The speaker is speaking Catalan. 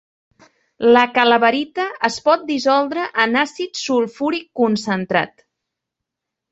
La calaverita es pot dissoldre en àcid sulfúric concentrat.